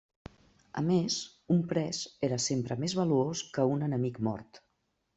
A més, un pres era sempre més valuós que un enemic mort.